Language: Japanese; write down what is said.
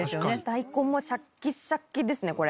大根もシャキシャキですね、これ。